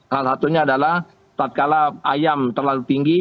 salah satunya adalah saat kalah ayam terlalu tinggi